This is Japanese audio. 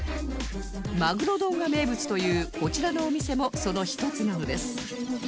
マグロ丼が名物というこちらのお店もその一つなのです